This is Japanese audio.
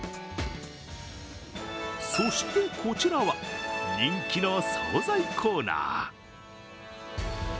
そして、こちらは人気の総菜コーナー。